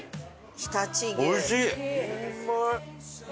常陸牛。